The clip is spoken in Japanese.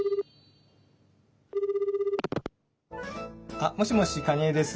☎あっもしもし蟹江です。